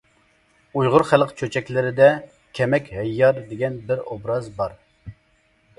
ئۇيغۇر خەلق چۆچەكلىرىدە «كەمەك ھەييار» دېگەن بىر ئوبراز بار.